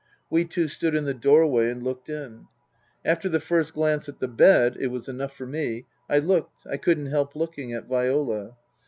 We two stood in the doorway and looked in. After the first glance at the bed it was enough for me I looked, I couldn't help looking, at Viola.